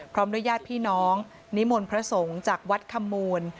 พร้อมด้วยญาติพี่น้องนิมนต์พระสงฆ์จากวัดคำมูล